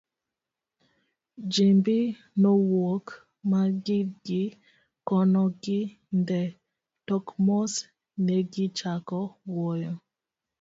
Jimbi nowuok ma gidgi kono gi Ndee, tok mos negichako wuoyo….